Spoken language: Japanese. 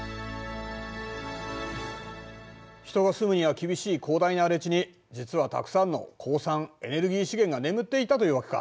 人が住むには厳しい広大な荒れ地に実はたくさんの鉱産エネルギー資源が眠っていたというわけか。